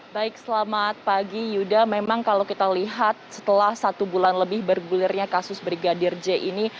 baik selamat pagi yuda memang kalau kita lihat setelah satu bulan lebih bergulirnya kasus brigadir j ini